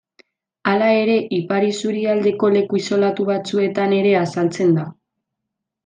Hala ere, ipar isurialdeko leku isolatu batzuetan ere azaltzen da.